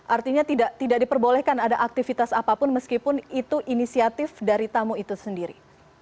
artinya tidak diperbolehkan ada aktivitas apapun meskipun itu inisiatif dari tamu itu sendiri